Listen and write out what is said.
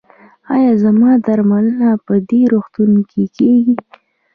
ایا زما درملنه په دې روغتون کې کیږي؟